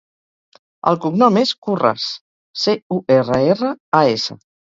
El cognom és Curras: ce, u, erra, erra, a, essa.